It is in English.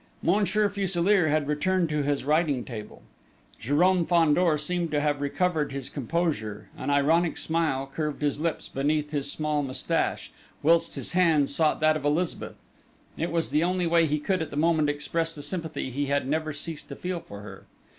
Monsieur Fuselier had returned to his writing table. Jérôme Fandor seemed to have recovered his composure, an ironic smile curved his lips beneath his small moustache, whilst his hand sought that of Elizabeth: it was the only way he could, at the moment, express the sympathy he had never ceased to feel for her.